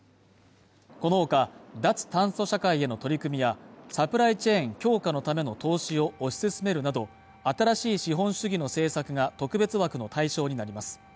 この他、脱炭素社会への取り組みやサプライチェーン強化のための投資を推し進めるなど、新しい資本主義の政策が特別枠の対象になります。